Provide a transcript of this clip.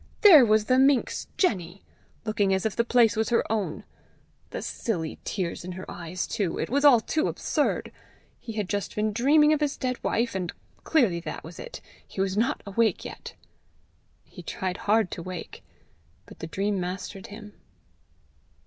there was the minx, Jenny! looking as if the place was her own! The silly tears in her eyes too! It was all too absurd! He had just been dreaming of his dead wife, and clearly that was it! he was not awake yet! He tried hard to wake, but the dream mastered him.